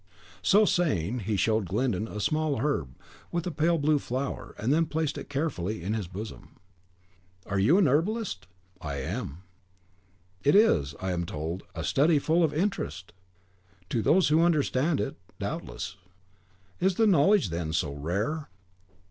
So saying, he showed Glyndon a small herb with a pale blue flower, and then placed it carefully in his bosom. "You are an herbalist?" "I am." "It is, I am told, a study full of interest." "To those who understand it, doubtless." "Is the knowledge, then, so rare?"